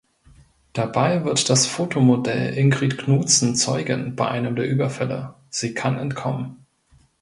Dabei wird das Fotomodell Ingrid Knudsen Zeugin bei einem der Überfälle, sie kann entkommen.